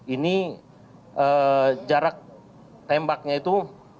ini jarak tembaknya itu